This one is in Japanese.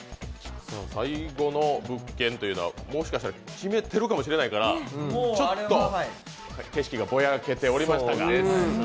最後の物件というのはもしかしたら決めてるかもしれないからちょっと景色がぼやけておりましたが。